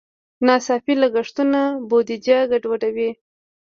ناڅاپي لګښتونه بودیجه ګډوډوي.